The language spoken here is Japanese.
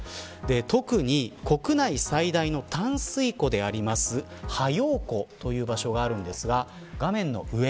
特に国内最大の淡水湖でありますは陽湖という場所があるんですが画面の上。